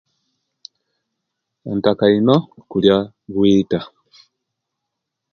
Ntaka ino okulya obwita